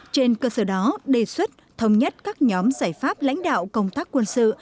trên cơ sở đó đề xuất thống nhất các nhóm giải pháp lãnh đạo công tác quân sự